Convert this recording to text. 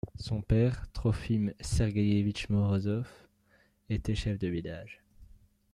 Son père, Trofime Sergueïévitch Morozov, était chef de village.